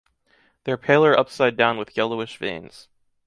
They're paler upside down with yellowish veins.